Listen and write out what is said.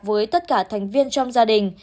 với tất cả thành viên trong gia đình